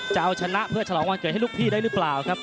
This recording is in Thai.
จะเอาชนะเพื่อฉลองวันเกิดให้ลูกพี่ได้หรือเปล่าครับ